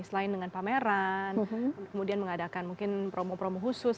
selain dengan pameran kemudian mengadakan mungkin promo promo khusus